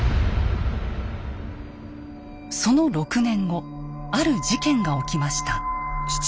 その６年後ある事件が起きました。